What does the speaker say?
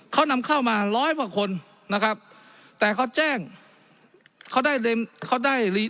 เขานำเข้ามาร้อยกว่าคนนะครับแต่เขาแจ้งเขาได้เขาได้รี